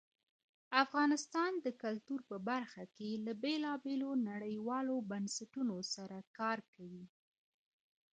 افغانستان د کلتور په برخه کې له بېلابېلو نړیوالو بنسټونو سره کار کوي.